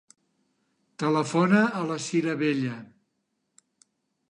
Telefona a la Cira Bella.